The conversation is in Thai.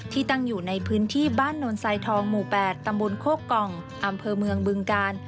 ตั้งอยู่ในพื้นที่บ้านนนทรายทองหมู่๘ตำบลโคกองอำเภอเมืองบึงกาล